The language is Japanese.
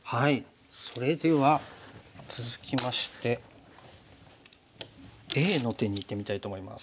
それでは続きましてＡの手にいってみたいと思います。